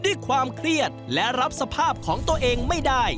ด้วยความเครียดและรับสภาพของตัวเองไม่ได้